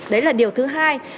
đấy là điều thứ hai